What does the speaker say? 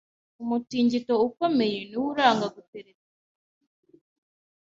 Umutingito ukomeye niwo uranga gutereta